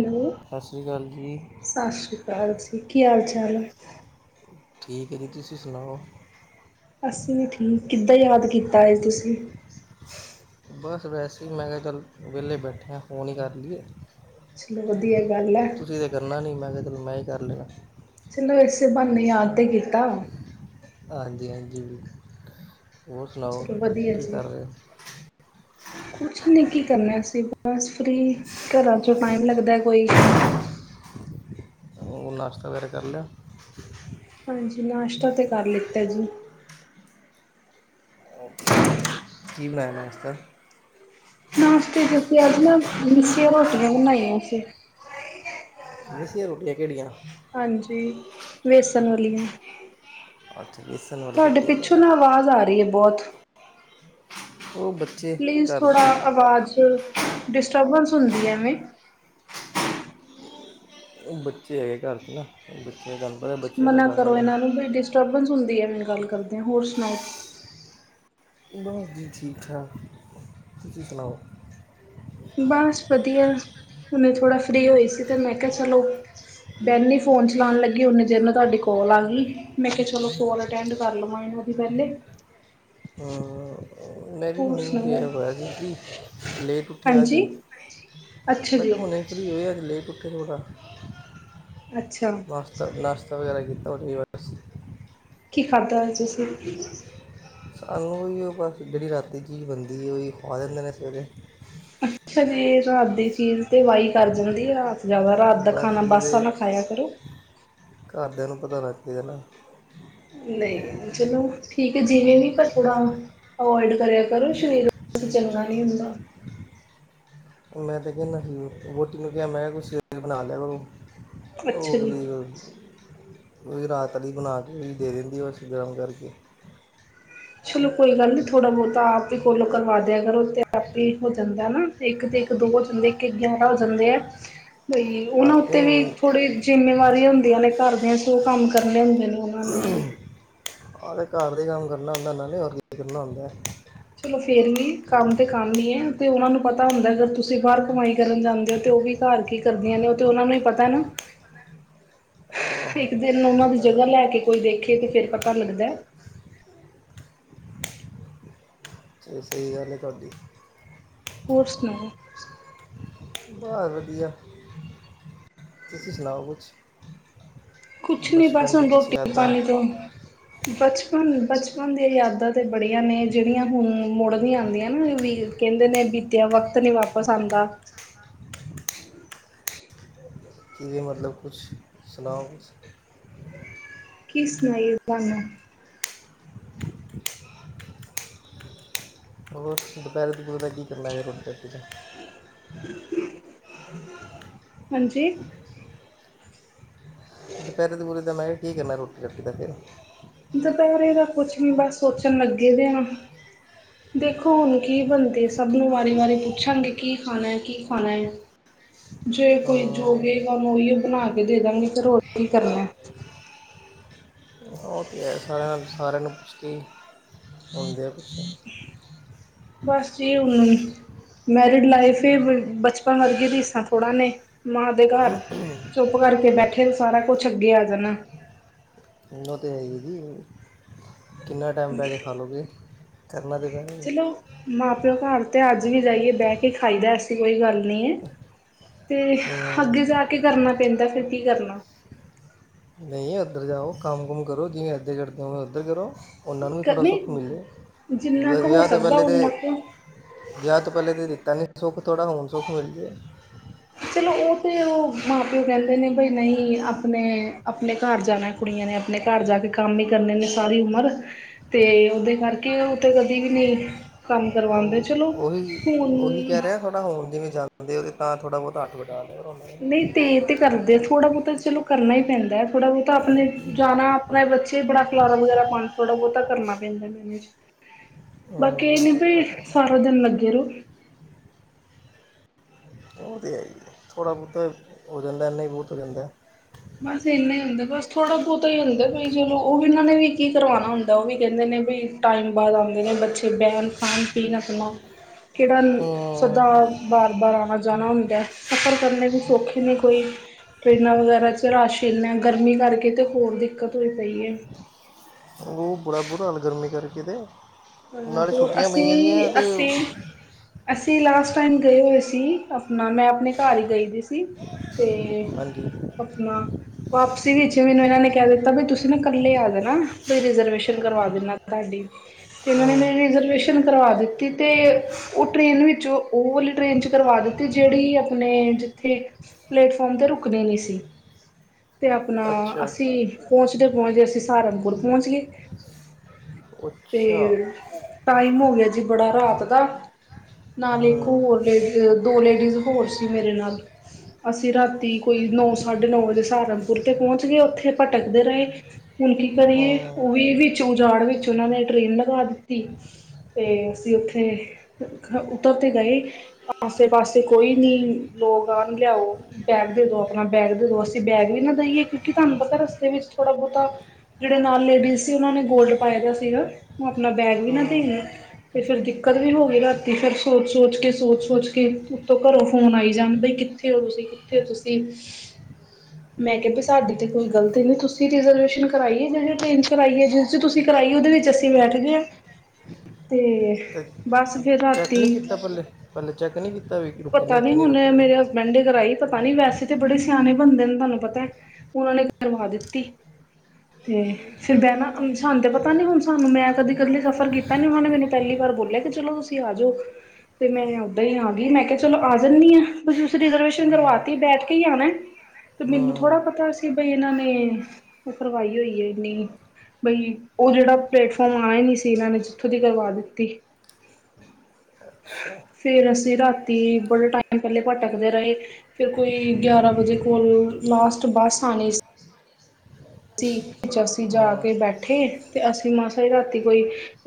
Hello, ਸਤਿ ਸ਼੍ਰੀ ਅਕਾਲ ਜੀ ਸਤਿ ਸ੍ਰੀ ਅਕਾਲ ਜੀ, ਕੀ ਹਾਲ ਚਾਲ ਹੈ? ਠੀਕ, ਹੈ ਜੀ ਤੁਸੀਂ ਸੁਣਾਓ? ਅਸੀਂ ਵੀ ਠੀਕ, ਕਿੱਦਾਂ ਯਾਦ ਕੀਤਾ ਹੈ। ਤੁਸੀਂ? ਬਸ ਵੈਸੇ ਹੀ, ਮੈਂ ਕਿਹਾ ਚੱਲ ਵਿਹਲੇ ਬੈਠੇ ਹਾਂ, ਫੋਨ ਹੀ ਕਰ ਲਈਏ? ਚਲੋ ਵਧੀਆ ਗੱਲ ਹੈ ਤੁਸੀਂ ਤੇ ਕਰਨਾ ਨੀ, ਮੈਂ ਕਿਹਾ ਚਲ ਮੈਂ ਹੀ ਕਰ ਲੈਇਆ? ਚਲੋ, ਇਸੇ ਬੰਨੇ ਯਾਦ ਤੇ ਕੀਤਾ। ਹਾਂਜੀ--ਹਾਂਜੀ ਹੋਰ ਸੁਣਾਓ ਚਲੋ ਵਧੀਆ ਕੀ ਜੀ ਕਰ ਰਹੇ? ਕੁਛ ਨਹੀ, ਕੀ ਕਰਨਨਾ ਅਸੀਂ ਬਸ ਫ੍ਰੀ ਘਰਾਂ ਚੋਂ ਟਾਈਮ ਲੱਗਦਾ ਨਈ? ਹ [unintelligible] ਉਹ, ਨਾਸ਼ਤਾ ਵਗੈਰਾ ਕਰ ਲਿਆ? ਹਾਂਜੀ, ਨਾਸ਼ਤਾ ਤੇ ਕਰ ਲਿੱਤਾ ਜੀ। ਕੀ, ਬਣਾਇਆ ਨਾਸਤਾ? ਨਾਸਤੇ, ਅੱਜ ਨਾ ਅਸੀਂ ਮਿੱਸੀਆਂ, ਰੋਟੀਆਂ ਬਣਾਈਆਂ ਸੀ। ਮਿੱਸੀ ਦੀਆਂ ਰੋਟੀਆਂ ਕਿਹੜੀਆਂ ਹਾਂਜੀ, ਵੇਸਣ ਵਾਲੀਆਂ? ਅੱਛਾ ਬੇਸਣ ਵਾਲੀ ਤੁਹਾਡੇ, ਰੋਟੀ ਪਿੱਛੋਂ ਨਾ ਆਵਾਜ਼ ਆ ਰਹੀ ਹੈ, ਬਹੁਤ। ਉਹ ਬੱਚੇ ਪਲੀਜ਼ ਘਰ ਥੋੜਾ 'ਚ ਆਵਾਜ਼ ਡਿਸਟਰਬੈਂਸ, ਹੁੰਦੀ ਹੈਵੇਂ। ਉਹ ਬੱਚੇ ਹੈਗੇ ਘਰ 'ਚ ਨਾ ਬੱਚੇ ਕੰ ਮਨਾ, ਕਰੋ ਇਹਨਾਂ ਨੂੰ ਬਈ ਡਿਸਟਰਬੈਂਸ, ਹੁੰਦੀਏ ਮੈਨੂੰ ਗੱਲ ਕਰਦੇ ਹ ਹੋਰ ਸੁਣਾਓ? ਬਸ ਜੀ, ਠੀਕ ਠਾਕ ਤੁਸੀਂ ਸੁਣਾਓ? ਬਸ, ਵਧੀਆ। ਹੁਨ ਥੋੜਾ ਫ੍ਰਰੀ ਹੋਈ ਸੀ, ਤੇ ਮੈਂ ਕਿਹਾ ਚਲੋ ਬੈਨੀ ਫੋਨ ਚਲਾਉਣ ਲੱਗੀ, ਓਨੀ ਦੇਰ ਨੂੰ ਤੁਹਾਡੇ ਕੋਲ ਹੁਣ ਆ ਗਈ, ਮੈਂ ਕਿਹਾ ਚਲੋ ਕੋੋਲ ਅਟੈਂਡ, ਕਰ ਲਵ ਇਹਨਾਂ ਦੀ ਪਹਿਲੇ। ਹਾਂ ਹੋਰ ਸੁਣਾਓ? ਜੀ ਲੇਟ ਉੱਠਿਆ ਅੱਜ ਹਾਂਜੀ ਅੱਛਾ ਮੈਂ ਜੀ ਕਿਹਾ ਹੁਣ ਇਚਰੀ ਹੋ ਅੱਜ ਲੇਟ ਉੱਠ ਅੱਛਾ [unintelligible] ਸ ਨਾਸਤ ਵਗੈਰਾ ਗ ਕੀਤਾ ਹੋ [unintelligible] ਕੀ ਖਾਧਾ ਹੈ ਤੁਸੀਂ? ਸਾਨੂੰ ਉਹੀ ਬਸ, ਜਿਹੜੀ ਰਾਤੀ ਚੀਜ਼ ਬਣਦੀ ਏ, ਉਹ ਖਵਾ ਦੇਦੈ ਨੇ ਸਵੇਰੇ। ਅੱਛਾ, ਜੇ ਰਾਤ ਦੀ ਚੀਜ਼, ਤੇ ਵਾਈ ਕਰ ਜਾਂਦੀ ਆ। ਜ਼ਿਆਦਾ, ਰਾਤ ਦਾ ਬਸ ਖਾਣਾ ਬਾਸਾ, ਇਹਦੇ ਨਾ ਖਾਇਆ ਕਰੋ। [unintelligible] ਘਰਦਿਆਂ ਨੂੰ ਪਤਾ ਲੱਗ ਗਿਆ ਨਾ? ਨਹੀਂ, ਚਲੋ ਠੀਕ ਹੈ, ਜਿਵੇਂ, ਵੀ ਪਰ ਥੋੜਾ ਅਵੋਇਡ, ਕਰਿਆ ਕਰੋ ਸ਼ਰੀਰ। ਕਿਤੇ, ਚੱਲਣਾ ਨੀ ਹੁੰਦਾ? ਮੈਂ ਤੇ ਕਹਿੰਦਾ ਸੀ, ਵੋਟੀ ਨੂੰ ਕਿਹਾ, ਮੈਂ ਕਿਹਾ ਸੀਰਿਲ, ਬਣਾ ਲਿਆਉ। ਉਹ ਅੱਛਾ ਜੀ। ਗਲੀ ਵਿੱਚ ਉਹਈ, ਰਾਤ ਵਾਲੀ ਬਣਾ ਕੇ ਉਹ ਦੇ ਦਿੰਦੀ, ਉਹ ਗਰਮ ਕਰਕੇ ਚਲੋ, ਕੋਈ ਗੱਲ ਨੀ ਥੋੜਾ ਬਹੁਤਾ, ਆਪ ਹੀ ਕੋਲੋ ਕਰਵਾ ਦਿਆਂ ਕਰੋ ਹੋ ਜਾਂਦਾ, ਨਾ ਇੱਕ ਤੇ ਇੱਕ ਦੋ ਹੋ ਜਾਂਦੇ, ਇੱਕ- ਇੱਕ ਗਿਆਰਾਂ ਹੋ ਜਾਂਦੇ ਆ ਤੇ, ਉਹਨਾਂ ਆਖੇ ਉੱਤੇ ਵੀ, ਹੁਣ ਥੋੜੇ ਜਿੰਮੇਵਾਰੀਆਂ, ਹੁੰਦੀਆਂ ਨੇ ਘਰ ਦੇ ਸੌ ਕੰਮ ਕਰਨੇ ਹੁੰਦੇ ਨੇ ਉਹਨਾਂ ਨੇ ਆਹ, ਤੇ ਘਰ ਦਾ ਕੰਮ ਕਰਨਾ ਹੁੰਦਾ, ਹੋਰ ਕਿਥੇ ਫਿਰਨਾ ਹੁੰਦਾ ਹੈ ਚਲੋ, ਫੇਰ ਵੀ, ਕੰਮ ਤੇ ਕੰਮ ਹੀ ਹੈ ਤੇ ਉਹਨਾਂ ਨੂੰ ਪਤਾ ਹੁੰਦਾ ਅਗਰ ਤੁਸੀਂ ਬਾਹਰ ਕਮਾਈ ਕਰਨ ਜਾਂਦੇ ਹੋ, ਤੇ ਉਹ ਵੀ ਘਰ ਕੀ ਕਰਦੀਆਂ ਨੇ ਉਹ ਤੇ ਉਹਨਾਂ ਨੂੰ ਹੀ ਪਤਾ ਨਾ ਆ ਨ ਉਹਨਾਂ ਦੀ ਜਗ੍ਹਾ ਲੈ ਕੇ ਕੋਈ ਦੇਖ ਦੇਖੇ ਤੇ ਫੇਰ ਪਤਾ ਲੱਗਦਾ। ਇਹ ਸਹੀ ਗੱਲ ਹੈ ਤੁਹਾਡੀ ਹੋਰ ਸੁਣਾਓ? ਬਸ ਵਧੀਆ ਤੁਸੀਂ ਸੁਣਾਉ ਕੁਛ? ਕੁਛ ਨੀ ਬਸ ਬਚਪਨ ਦੀ ਹੁਣ ਕੁਛ ਰੋਟੀ ਯਾਦਾਂ ਪਾਣੀ ਤੋਂ ਬਚਪਨ ਬਚਪਨ ਦੀਆਂ ਯਾਦਾਂ ਤੇ ਬੜੀਆਂ ਨੇ ਜਿਹੜੀਆਂ, ਹੁਣ ਮੁੜਦੀਆਂ ਆਦੀਆਂ ਨਾ ਵੀ ਕਹਿੰਦੇ ਨੇ ਬੀਤਿਆ ਵਕਤ ਨੀ ਵਾਪਿਸ ਆਦਾ [unintelligible] ਕੀ ਵੀ ਮਤਲਬ ਕੁਛ ਸੁਣਾਓ ਕੁ ਕੀ ਸੁਣਾਈਏ ਭੇਣੇ, ਹੋਰ ਦੁਪਹਿਰੇ-ਦੁਪਰੇ ਦਾ ਕੀ ਕਰਨਾ ਇਹ ਰੋਟੀ ਰਾਟੀ ਹਾਂਜੀ, ਦੁਪਹਿਰੇ-ਦੁਹਿਰੇ ਦਾ ਮੈਂ ਕਿਹਾ ਕੀ ਕਰਨਾ ਰੋਟੀ ਰਾਤੀ ਦਾ ਫਿਰ ਦੁਪਹਿਰੇ ਦਾ ਕੁਛ ਵੀ ਬਸ ਸੋਚਣ ਲੱਗੇ ਦੇ ਹ ਦੇਖੋ ਹੁਣ ਕੀ ਬਣਦੇ ਸਭ ਨੂੰ ਵਾਰੀ-ਵਾਰੀ ਪੁੱਛਾਂਗੇ ਕੀ ਖਾਣਾ ਐ, ਕੀ ਖਾਣਾ ਐ। ਜੇ ਕੋਈ ਹਾਂ ਜੋ ਕਹੇਗਾ, ਉਹਨੂੰ ਉਹੀਓ ਬਣਾ ਕੇ ਦੇ ਦਾਂਗੀ ਫਿਰ ਔਰ ਕਿ ਕਰਨਾ ਆਂ ਸਾਰਿਆਂ ਨੂੰ ਪੁਛਦੀ ਆਦੇ ਆ ਪੁਛੇ ਬਸ ਜੀ ਹੁਣ ਮੈਰਿਡ ਲਾਈਫ ਹੀ ਬਚਪਨ ਵਰਗੇ ਦੀ ਰਿਸਾ ਥੋੜ੍ਹਾ ਨੇ ਮਾਂ ਦੇ ਘਰ ਚੁੱਪ ਕਰਕੇ ਬੈਠੇ ਸਾਰਾ ਕੁਛ ਅੱਗੇ ਆ ਜਾਣਾ। ਉ ਤਾਂ ਹੈ ਜੀ, ਕਿੰਨਾ ਟਾਈਮ ਬਹਿ, ਕੇ ਖਾ ਲਓਗੇ ਚਲੋ ਮਾਂ ਪਿਓ ਘਰ ਤੇ ਅੱਜ ਵੀ ਜਾਈਏ, ਬਹਿ ਕੇ ਖਾਈਦਾ ਐਸੀ ਕੋਈ ਗੱਲ ਨੀ ਐ, ਤੇ ਹਾਂ ਅੱਗੇ ਜਾ ਕੇ ਕਰਨਾ ਪੈਂਦਾ ਫਿਰ ਕੀ ਕਰਨਾ ਨਹੀਂ ਉੱਧਰ ਜਾਓ, ਕੰਮ ਕੁਮ ਕਰੋ ਜਿਵੇਂ ਇੱਧੇ ਕਰਦੇ ਹੋ ਉੱਧਰ ਕਰ ਰਹੋ, ਉਹਨਾਂ ਨੂੰ ਵੀ ਥੋੜ੍ਹਾ ਸੁੱਖ ਨਹੀਂ ਮਿਲੇ ਜਿੰਨਾ ਕੁ ਹੋ ਵਿਆਹ ਤੋਂ ਸਕਦਾ ਪਹਿਲੇ ਤੇ ਓਨਾ ਕੁ ਵਿਆਹ ਤੋਂ ਪਹਿਲੇ ਤਾਂ ਦਿੱਤਾ ਨਹੀਂ ਸੁੱਖ ਥੋੜਾ ਹੁਣ ਸੁੱਖ ਮਿਲ ਜੇ ਚਲੋ, ਉਹ ਤੇ ਉਹ ਮਾਂ ਪਿਓ ਕਹਿੰਦੇ ਨੇ ਬਈ ਨਹੀਂ ਆਪਣੇ-ਆਪਣੇ ਘਰ ਜਾਣਾ ਕੁੜੀ ਨੇ ਆਪਣੇ ਘਰ ਜਾ ਕੇ ਕੰਮ ਹੀ ਕਰਨੇ ਨੇ ਸਾਰੀ ਉਮਰ, ਤੇ ਉਹਦੇ ਕਰਕੇ ਉਥੇ ਕਦੀ ਵੀ ਨਹੀਂ ਕੰਮ ਕਰਵਾਦੇ ਚਲੋ ਉਹ ਉਹੀ ਹੁਣ ਉਹੀ ਕਹਿ ਰਿਹਾ ਥੋੜਾ ਹੋਰ ਜਿਵੇਂ, ਜਾਂਦੇ ਉਹ ਤਾਂ ਥੋੜਾ ਬਹੁਤ ਅੱਠ ਵਜੇ ਨਹੀਂ ਤੇ ਇਹ ਤੇ ਕਰਦੇ ਆ ਥੋੜਾ ਬਹੁਤਾ ਚਲੋ, ਕਰਨਾ ਹੀ ਪੈਂਦਾ ਥੋੜਾ ਬਹੁਤਾ ਆਪਣੇ ਜਾਣਾ, ਆਪਣੇ ਬੱਚੇ ਬੜਾ ਖਲਾਰਾ ਵਗੈਰਾ ਪਾਣਾ ਥੋੜਾ ਬਹੁਤਾ ਕਰਨਾ ਪੈਂਦਾ ਮੈਨੇਜ, ਬਾਕੀ ਹੂੰ ਇਹ ਨੀ ਉਹ ਵੀ ਤਾਂ- ਸਾਰਾ ਦਿਨ ਲੱਗੇ ਰਹ ਉਹ ਤੇ ਐ ਥੋੜ੍ਹਾ ਬਹੁਤਾ ਹੋ ਜਾਂਦਾ ਨਹੀਂ ਬਹੁਤ ਹੋ ਜਾਂਦਾ ਬਸ ਇੰਨਾ ਹੀ ਹੁੰਦਾ ਬਸ ਥੋੜਾ ਬਹੁਤਾ ਹੀ ਹੁੰਦਾ ਵੀ ਚਲੋ ਉਹ ਵੀ ਇਹਨਾਂ ਨੇ ਵੀ ਕੀ ਕਰਵਾਣਾ ਹੁੰਦਾ ਉਹ ਵੀ ਕਹਿੰਦੇ ਨੇ ਵੀ ਟਾਈਮ ਬਾਅਦ ਆਂਦੇ ਨੇ ਬੱਚੇ ਬੈਣ ਖਾਣ-ਪੀਣ ਆਪਣਾ ਕਿਹੜਾ ਹੂੰ ਸਧਾਰ ਬਾਰ-ਬਾਰ ਆਣਾ ਜਾਣਾ ਹੁੰਦਾ, ਸਫ਼ਰ ਕਰਨੇ ਵੀ ਸੌਖੇ ਨਹੀਂ ਕੋਈ ਟਰੇਨਾਂ ਵਗੈਰਾ ਰਸ਼ ਇਨਾ ਗਰਮੀ ਕਰਕੇ ਤੇ ਹੋਰ ਦਿੱਕਤ ਹੋ ਪਈ ਹੈ। ਉਹ ਬੜਾ ਬੁਰਾ ਹਾਲ ਗਰਮੀ ਕਰਕੇ ਤੇ, ਅ ਨਾਲੇ ਹੋਰ ਛੁੱਟੀਆਂ ਪਈਆਂ ਦੀਆਂ ਤੇ ਅਸੀਂ-ਅਸੀਂ-ਅਸੀਂ ਲਾਸਟ, ਉਸ ਟਾਈਮ ਗਏ ਹੋਏ ਸੀ, ਆਪਣਾ ਮੈਂ ਆਪਣੇ ਘਰ ਹੀ ਗਈ ਦੀ ਸੀ। ਅਤੇ ਹਾਂਜੀ ਆਪਣਾ, ਵਾਪਸੀ ਵਿੱਚ ਮੈਨੂੰ ਇਹਨਾਂ ਨੇ ਕਹਿ ਦਿੱਤਾ, ਵੀ ਤੁਸੀਂ ਨਾ ਕੱਲੇ ਆ ਜਾਣਾ ਰਿਜਰਵੇਸ਼ਨ ਕਰਵਾ ਦੇਣਾ। ਸਾਡੀ, ਤੇ ਉਹਨਾਂ ਨੇ ਹੂੰ ਮੇਰੀ ਰਿਜ਼ਰਵੇਸ਼ਨ ਕਰਵਾ ਦਿੱਤੀ, ਤੇ ਉਹ ਟ੍ਰੇਨ ਵਿੱਚ ਉਹ ਵਾਲੀ ਟ੍ਰੇਨ ਚ ਕਰਵਾ ਦਿੱ ਤੇ ਜਿਹੜੀ ਆਪਣੇ ਜਿੱਥੇ ਪਲੇਟਫਾਰਮ ਤੇ ਰੁਕਦੀ ਨੀ ਸੀ। ਤੇ ਆਪਣਾ ਅੱਛਾ ਅਸੀਂ ਪਹੁੰਚਦੇ ਪਹੁੰਚਦੇ ਅਸੀਂ ਸਹਾਰਨਪੁਰ ਪਹੁੰਚ ਗਏ ਅੱਛਾ ਤੇ ਟਾਈਮ ਹੋ ਗਿਆ ਜੀ ਬੜਾ ਰਾਤ ਦਾ ਨਾਲੇ ਇੱਕ ਹੋਰ ਲੇਡੀ ਦੋ ਲੇਡੀਜ਼ ਹੋਰ ਸੀ ਮੇਰੇ ਨਾਲ ਅਸੀਂ ਰਾਤੀ ਕੋਈ ਨੌਂ ਸਾਢੇ ਨੌ ਵਜੇ ਸਹਾਰਮਪੁਰ ਤੇ ਪਹੁੰਚ ਗਏ ਉੱਥੇ ਭਟਕਦੇ ਰਹੇ ਹੁਣ ਕੀ ਕਰੀਏ ਉਹ ਚੈੱਕ ਵੀ ਵਿੱਚ ਉਜਾੜ ਵਿੱਚ ਟ ਇਹਨ ਕ ਆਦਤੀ ਤੇ ਅਸੀਂ ਉੱਥੇ ਉਤਰ ਤੇ ਗਏ ਆਸੇ ਪਾਸੇ ਕੋਈ ਨੀ ਲੋਕ ਆਉਣ ਲਿਆਓ ਬੈਗ ਦੇ ਦੋ ਆਪਣਾ ਬੈਗ ਦੇ ਦੋ ਬੈਗ ਵੀ ਨਾ ਦਈਏ ਕਿਉਂਕਿ ਤੁਹਾਨੂੰ ਪਤਾ ਰਸਤੇ ਵਿੱਚ ਥੋੜਾ ਬਹੁਤਾ ਜਿਹੜੇ ਨਾਲ ਲੇਡੀਜ਼ ਸੀ ਉਹਨਾਂ ਨੇ ਗੋਲਡ ਪਾਏ ਹੈਗਾ ਸੀਗਾ ਉਹ ਆਪਣਾ ਬੈਗ ਵੀ ਨਾ ਦੇਣਾ ਤੇ ਫੇਰ ਦਿੱਕਤ ਵੀ ਹੋ ਗਈ ਰਾਤੀ ਫੇਿਰ ਸੋਚ ਸੋਚ ਕੇ ਸੋਚ ਸੋਚ ਕੇ ਉੱਤੋਂ ਘਰੋਂ ਫੋਨ ਆਈ ਜਾਣ ਬਈ ਕਿੱਥੇ ਹੋ ਤੁਸੀਂ ਕਿੱਥੇ ਹੋ ਤੁਸੀਂ ਹ ਮੈਂ ਕਿਹਾ ਸਾਡਡੀ ਤੇ ਕੋਈ ਗਲਤੀ ਨੀ ਤੁਸੀਂ ਰਿਰਵੇ ਕਰ ਜਿਹੜ ਟਨ ਜਿਸ ਤੁਸੀਂ ਕਰ ਉਹਦੇ ਵਿੱਚ ਅਸੀਂ ਬੈਠ ਗਏ ਹ ਤੇ ਬਸ ਫਰ ਚੈੱਕ ਰਾਤੀ ਨਹੀਂ ਕੀਤਾ ਪੱਲੇ ਪੱਲੇ ਚੈੱਕ ਨਹੀਂ ਕੀਤਾ ਵੀ ਰੁਕਣੀ ਪਤਾ ਨੀ ਇੱਥੇ ਨਹੀਂ ਹੁਣ ਰੁਕਣੀ ਮੇਰੇ ਹਸਬੈਂਡ ਨੇ ਕਰਾਈ ਪਤਾ ਨੀ ਵੈਸੇ ਤੇ ਬੜੇ ਸਿਆਣੇ ਬੰਦੇ ਨੇ ਤੁਹਾਨੂੰ ਪਤਾ ਉਹਨਾਂ ਨੇ ਕਰਵਾ ਦਿੱਤੀ ਤੇ ਫੇਿਰ ਮੈਂ ਨਾ ਸਾਨੂੰ ਤੇ ਪਤਾ ਨੀ ਹੁਣ ਸਾਨੂੰ ਮੈਂ ਕਦੀ ਕਦੇ ਲਈ ਸਫ਼ਰ ਕੀਤਾ ਨੀ ਉਹਨਾਂ ਨੇ ਮੈਨੂੰ ਪਹਿਲੀ ਵਾਰ ਬੋਲਿਆ ਕਿ ਚਲੋ ਤੁਸੀਂ ਆ ਜਾਓ ਤੇ ਮੈਂ ੱਦਾਂ ਹੀ ਆ ਗਈ ਮੈਂ ਕਿਹਾ ਚਲੋ ਆ ਜਾਂਦੀ ਹਾਂ ਤੁਸੀਂ ਉਸਧਰ ਹਾਂ ਕਰਵਾਤੀ ਬੈਠ ਕੇ ਹੀ ਆਉਣਾ ਤੇ ਮੈਨੂੰ ਹਾਂ ਥੋੜ੍ਹਾ ਪਤਾ ਸੀ ਬਈ ਇਹਨਾਂ ਨੇ ਉਹ ਕਰਵਾਈ ਹੋਈ ਹੈ ਇੰਨੀ ਬਈ ਉਹ ਜਿਹੜਾ ਪਲੇਟਫਾਰਮ ਆਉਣਾ ਨਹੀਂ ਸੀ ਇਹਨਾਂ ਨੇ ਜਿੱਥੋਂ ਦੀ ਕਰਵਾ ਦਿੱਤੀ ਅੱਛਾ, ਫੇਰ ਅਸੀਂ ਰਾਤੀ ਬੜੇ ਟਾਈਮ ਪਹਿਲੇ ਭਟਕਦੇ ਰਹੇ ਫੇਿਰ ਕੋਈ ਗਿਆਰਾਂ ਵਜੇ ਕੋਲ ਲਾਸਟ ਬੱਸ ਆਉਣੀ ਸੀ ਵਿੱਚ ਅਸੀਂ ਜਾ ਹਾਂ ਕੇ ਬੈਠੇ ਤੇ ਅਸੀਂ ਮਾਸਾ ਰਾਤੀ ਕੋਈ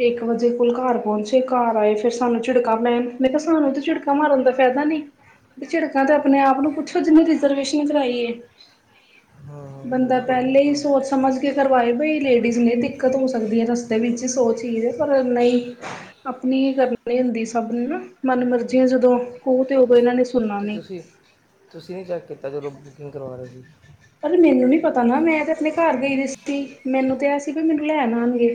ਇੱਕ ਵਜੇ ਖੁਲਕਾ ਘਰ ਪਹੁੰਚੇ ਘਰ ਆਏ ਫਿਰ ਸਾਨੂੰ ਝਿੜਕਾ ਪੈਣ ਮੈਂ ਕਿਹਾ ਸਾਨੂੰ ਤਾਂ ਝਿੜਕਾਾਂ ਮਾਰਨ ਦਾ ਫਾਇਦਾ ਨਹੀਂ ਤੇ ਝਿੜਕਾਂ ਤੇ ਆਪਣੇ ਆਪ ਨੂੰ ਕੁੱਥੋਂ ਰਿਜਰਵੇਸ਼ਨ ਕਰਈ ਹੈ ਹਾਂ ਬੰਦਾ ਬਿਲਕੁਲ ਪਹਿਲੇ ਹੀ ਬਿਲਕੁਲ ਸੋਚ ਸਮਝ ਕੇ ਕਰਵਾਏ ਬਈ ਲੇਡੀਜ਼ ਨੇ ਦਿੱਕਤ ਹੋ ਸਕਦੀ ਹੈ ਰਸਤੇ ਵਿੱਚ ਸੋਚ ਹੀ ਪਰ ਨਹੀਂ ਹੀ ਆਪਣੀ ਹੀ ਕਰਨੀ ਹੁੰਦੀ ਸਭ ਨੂੰ ਨਾ ਮਨ ਮਰਜ਼ੀਆਂ ਜਦੋਂ ਕੋਹ ਤੇ ਉਦੋਂ ਇਹਨਾਂ ਨੇ ਸੁਣਨਾ ਅਤੇ ਨਹੀਂ ਤੁਸੀਂ ਤੁਸੀਂ ਨਹੀਂ ਚੈੱਕ ਕੀਤਾ ਚਦੋਂ ਬੁਕਿੰਗ ਕਰਵਾ ਰਹੇ ਜੀ ਪਰ ਮੈਨੂੰ ਨੀ ਪਤਾ ਨਾ ਮੈਂ ਤੇ ਆਪਣੇ ਘਰ ਗਈ ਰ ਮੈਨੂੰ ਤੇ ਇਹ ਸੀ ਵੀ ਮੈਨੂੰ ਲੈਣ ਆਉਣਗੇ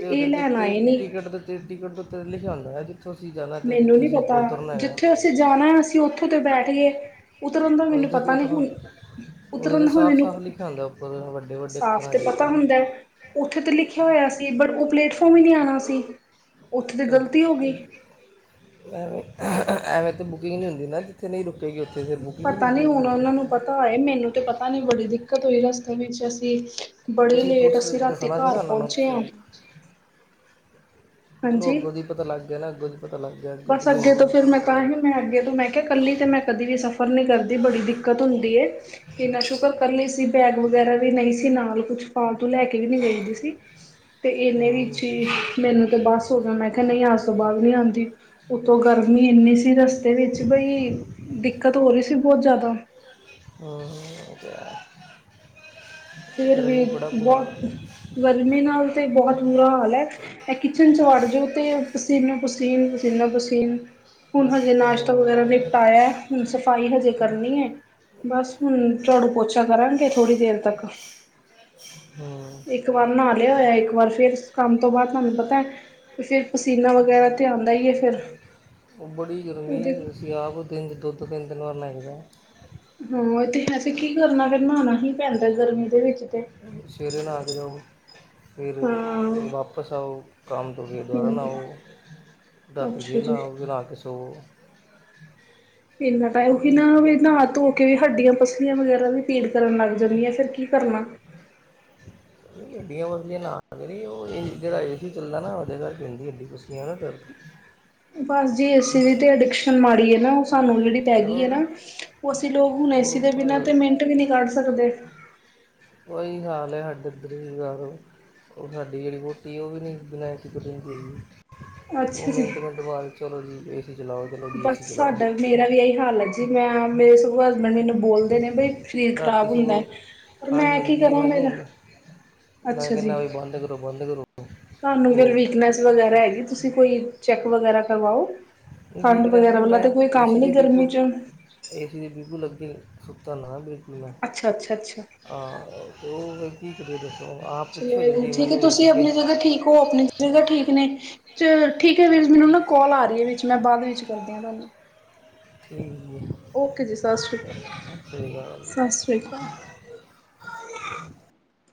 ਤੇ ਇਹ ਲੈਣ ਆਏ ਨੀ ਟਿਕਟ ਟਿਕਟ ਲਿਖਿਆ ਹੁੰਦਾ ਜਿੱਥੋਂ ਅਸੀਂ ਜਾਣਾ ਤੇ ਮੈਨੂੰ ਜਿੱਥੇ ਨੀ ਅਸੀਂ ਪਤਾ ਉਤਰਨਾ ਹੈਗਾ ਜਿੱਥੇ ਅਸੀਂ ਜਾਣਾ ਅਸੀਂ ਉੱਥੋਂ ਤੇ ਬੈਠ ਗਏ ਉਤਰਨ ਦਾ ਮੈਨੂੰ ਉਹਦੇ ਤੇ ਪਤਾ ਨੀ ਹੁਣ ਉਤਰਨਾ ਉਹਦੇ ਉਤਰਨ ਤੇ ਦਾ ਹੁਣ ਸਾਫ਼ ਮੈਨੂੰ ਸਾਫ਼ ਲਿਖਿਆ ਹੁੰਦਾ ਉੱਪਰ ਵੱਡੇ ਵੱਡੇ ਸਾਫ਼ ਅੱਖਰਾਂ ਤੇ 'ਚ ਹੁੰਦਾ ਉੱਥੇ ਤੇ ਲਿਖਿਆ ਹੋਇਆ ਸੀ ਬ ਉਹ ਪਲੇਟਫਾਰਮ ਹੀ ਨਹੀਂ ਆਉਣਾ ਸੀ ਉੱਥੇ ਤੇ ਗ਼ਲਤੀ ਹੋ ਗਈ ਐਵੇਂ ਐਵੇਂ ਤਾਂ ਬੁਕਿੰਗ ਨਹੀਂ ਹੁੰਦੀ ਨਾ ਜਿੱਥੇ ਨਹੀਂ ਰੁਕ ਪਤਾ ਨੀ ਹੁਣ ਉਹਨਾਂ ਨੂੰ ਪਤਾ ਆਏ ਮੈਨੂੰ ਤੇ ਪਤਾ ਤਾ ਨਹੀਂ ਬੜੀ ਦਿੱਕਤ ਹੋਈ ਰਸਤੇ ਵਿੱਚ ਅਸੀਂ ਤੇ ਬੜੀ ਤੁਸੀਂ ਲੇਟ ਕੁਛ ਅਸੀਂ ਰਾਤੀ ਦੱਸਣਾ ਸੀ ਘਰ ਨਾ ਉਹਨਾਂ ਨੂੰ ਪਹੁੰਚੇ ਹਾਂ ਤੁਸੀਂ ਚਲੋ ਹਾਂਜੀ ਅੱੋਂ ਹੀ ਪਤਾ ਲੱਗ ਗਿਆ ਨਾ ਅੱਗੋਂ ਦੀ ਪਤਾ ਲੱਗ ਗਿਆ ਅੱਗੋਂ ਦੀ ਬਸ ਨਹੀਂ ਅੱਗੇ ਹੁੰਦਾ ਤੋਂ ਹੂੰ ਫੇਿਰ ਮੈਂ ਤਾਂ ਹੀ ਮੈਂ ਅੱਗੇ ਤੋਂ ਮੈਂ ਕੱਲੀ ਤੇ ਮੈਂ ਕਦੀ ਵੀ ਸਫ਼ਰ ਨਹੀਂੀ ਕਰਦੀ ਬੜੀ ਦਿੱਕਤ ਹੁੰਦੀ ਇੰਨਾ ਸ਼ੁਕਰ ਕੀ ਸੀ ਬੈਗ ਵ ਵਗੈਰਾ ਵੀ ਨਹੀਂ ਸੀ ਨਾਲ ਕੁੱਛ ਫਾਲਤੂ ਲੈ ਕੇ ਵੀ ਨੀ ਗਈਦੀ ਸੀ ਤੇ ਇਹਨੇ ਵੀ ਹੂੰ ਹੀ ਮੈਨੂੰ ਤੇ ਬਸ ਹੋ ਗਿਆ ਮੈਂ ਕਿਹਾ ਨਹੀਂ ਆਜ ਤੋਂ ਬਾਅਦ ਨੀ ਆਉਂਦੀ ਉਤੋਂ ਗਰਮੀ ਇੰਨੀ ਸੀ ਰਸਤੇ ਵਿੱਚ ਬਈ ਦਿੱਕਤ ਹੋ ਰਹੀ ਸੀ ਬਹੁਤ ਜ਼ਿਆਦਾ ਹਮ ਫਿਰ ਵੀ ਬੜਾ ਬੁਰਾ ਹਾਲ ਬਹੁਤ ਹੈ ਗਰਮੀ ਨਾਲ ਤੇ ਬਹੁਤ ਬੁਰਾ ਹਾਲ ਹੈ ਇਹ ਕਿਚਨ ਚ ਵੜ ਜੋਓ ਤੇ ਪਸੀਨਾੋ ਪਸੀਨ ਪਸੀਨਾ ਪਸੀਨ ਹੁਣ ਹਜੇ ਨਾਸ਼ਤਾ ਵਗੈਰਾ ਹੂੰ ਨਿਪਟਾਇਆ, ਹੁਣ ਸਫ਼ਾਈ ਹਜੇ ਕਰਨੀ ਏ। ਬਸ ਹੁਣ ਝਾੜੂ-ਪੋਛਾ ਕਰਾਂਗੇ ਥੋੜੀ ਦੇਰ ਤੱਕ। [unintelligible] ਇੱਕ ਵਾਰ ਨਾ ਲਿਆ ਹੋਇਆ, ਇੱਕ ਵਾਰ ਫੇਰ ਕੰਮ ਤੋਂ ਬਾਅਦ ਤੁਹਾਨੂੰ ਪਤਾ ਏ। ਤੇ ਫੇਰ ਪਸੀਨਾ ਵਗੈਰਾ ਤੇ ਆਂਦਾ ਈ ਏ ਫੇਰ। ਉਹ ਬੜੀ ਗਰਮੀ। ਅਸੀਂ ਆਪ ਦਿਨ ਚ ਦੋ-ਦੋ ਤਿਨ-ਤਿਨ ਵਾਰ ਨਾਈਦਾ। ਹੁੰ ਏ ਤੇ ਹੈ ਸੀ ਕੀ ਕਰਨਾ ਫੇਰ ਨਾਣਾ ਹੀ ਪੈਂਦਾ ਗਰਮੀ ਦੇ ਵਿੱਚ ਤੇ ਸਵੇਰੇ ਨਾ ਕੇ ਜਾਓ। ਫੇਰ ਹਾਂ ਵਾਪਸ ਆਔ ਕੰਮ ਤੋਂ ਫੇਰ ਦੁਬਾਰਾ ਨਾਔ। ਹਮ ਰਾਤੀ ਵੇ ਅੱਛਾ ਜੀ ਲਾਓ ਵੇਲ ਆਕੇ ਸੋਵੋਂ। ਇਹਨਾ ਟਾਈਮ ਫਿਰ [unintelligible] ਨਾ ਧੋ ਕੇ ਕਯੀ ਹੱਡੀਆਂ ਪਸਲੀਆਂ ਵਗੈਰਾ ਵੀ ਪੀੜ ਕਰਨ ਲੱਗ ਜਾਂਦੀਆਂ। ਫੇਰ ਕੀ ਕਰਨਾ? ਗੱਡੀਆਂ ਪਸਲੀਆਂ ਨਾ [unintelligible] ਔ ਜਿਹੜਾ ਏ ਸੀ ਚੱਲਦਾ ਨਾ ਔਦੇ ਕਰਕੇ ਹੁੰਦੀ ਐ ਹੱਡੀ ਪਸਲੀਆਂ ਨਾ ਦਰਦ। ਬਸ ਜੀ ਐ ਸੀ ਦੀ ਤੇ ਅਡਿਕਸ਼ਨ ਮਾੜੀ ਏ ਨਾ। ਔ ਸਾਨੂੰ ਜੇੜੀ ਪੈ ਗਈ ਏ ਨਾ ਉਹ ਔਸ ਲੋਕ ਹੁਣ ਏ ਸੀ ਉਹ ਦੇ ਬਿਨਾਂ ਪਰ ਤੇ ਮਿੰਟ ਵੀ ਨਹੀਂ ਕੱਢ ਸਕਦੇ। ਔਹੀ ਹਾਲ ਏ ਹਾਡੇ ਏਧਰ। [unintelligible] ਔ ਸਾਡੀ ਜਿਹੜੀ ਵੋਂਟੀ ਏ ਔ ਵੀ ਨਹੀਂ ਬੀਨਾ ਏ ਸੀ ਤੋਂ ਰੇਂਦੀ ਹੇਗੀ। ਔ ਅੱਛਾ ਜੀ ਮਿੰਟ-ਮਿੰਟ ਬਾਦ ਚਲੋ ਜੀ ਏ ਸੀ, ਚਲੋ ਜੀ ਏ ਬਸ ਸੀ ਚਲਾਔ। ਸਾਡਾ ਮੇਰਾ ਵੀ ਇਹੀ ਹਾਲ ਹੈ ਜੀ ਮੈਂ ਮੇਰੇ ਸਗੋਂ ਹਸਬੈਂਡ ਮੈਨੂੰ ਬੋਲਦੇ ਨੇ ਬਈ ਸ਼ਰੀਰ ਰਾਤੀ ਖ਼ਰਾਬ ਹੁੰਦਾ ਏ। ਸਗੋਂ ਪਰ ਠੰਡ ਮੈਂ ਕੀ ਲੱਗਦੀ ਹੈ ਕਰਾਂ ਮੈਨੂੰ ਮੇਰਾ ਮੈਂ ਅੱਛਾ ਜੀ ਕਹਿਣਾ ਵੀ ਬੰਦ ਕਰੋ ਬੰਦ ਕਰੋ। ਤੁਹਾਨੂੰ ਫੇਰ ਉਹ ਵੀਕਨੈਸ ਵਗੈਰਾ ਹੈਗੀ, ਤੁਸੀਂ ਕੋਈ ਚੈੱਕ ਵਗੈਰਾ ਕਰਵਾਔ। ਵੀਕਨੈਸ ਨਹੀਂ, ਮੈਂ ਏ ਸੀ ਦੀ ਗਰਮੀ ਬਿਲਕੁਲ, ਚ ਏ ਸੀ ਦੀ ਬਿਲਕੁਲ ਅੱਗੇ ਸੁੱਤਾ ਨਾ ਬਿਲਕੁਲ ਮੈਂ, ਅੱਛਾ ਅੱਛਾ ਅੱਛਾ ਹਾਂ ਔਰ ਫੇ ਕੀ ਕਰੀ [unintelligible] ਚਲੋ ਇਹ ਵੀ ਠੀਕ ਏ ਤੁਸੀਂ ਆਪਣੀ ਜਗ੍ਹਾ ਠੀਕ ਹੋ ਆਪਣੀ ਜਗ ਚਲੋ ਠੀਕ ਏ ਨੇ ਚਲੋ ਠੀਕ ਹੈ ਫੇਰ ਮੈਨੂੰ ਨਾ ਕਾਲ ਆ ਰਹੀ ਏ ਵਿੱਚ। ਮੈਂ ਬਾਅਦ ਵਿੱਚ ਕਰਦੀ ਹਾਂ ਤੁਹਾਨੂੰ। ਠੀ ਔ ਕੇ ਜੀ, ਸੱਸ ਸ਼੍ਰੀ ਸ਼੍ਰੀ ਅਕਾਲ ਸਾਸ਼ ਸ੍ਰੀ ਕਾਲ।